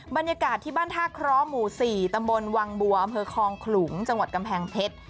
บรรยากาศที่บ้านท่าเคราะห์หมู่๔ตำบลวังบัวอำเภอคลองขลุงจังหวัดกำแพงเพชร